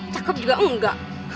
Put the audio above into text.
cakep juga engga